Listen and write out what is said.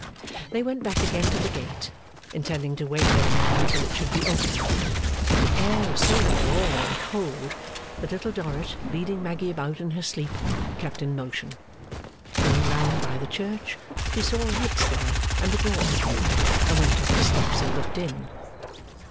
They went back again to the gate, intending to wait there now until it should be opened; but the air was so raw and cold that Little Dorrit, leading Maggy about in her sleep, kept in motion. Going round by the Church, she saw lights there, and the door open; and went up the steps and looked in.